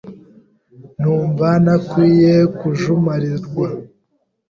Numva ntakwiye kujumarirwa